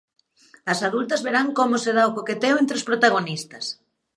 As adultos verán como se dá o coqueteo entre os protagonistas.